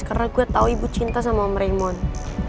karena gue tau ibu cinta sama om raymond